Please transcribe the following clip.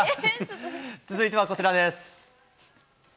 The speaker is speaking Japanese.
続いてはこちらです。